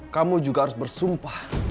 kamu juga harus bersumpah